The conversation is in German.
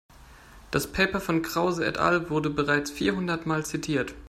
Das Paper von Krause et al. wurde bereits vierhundertmal zitiert.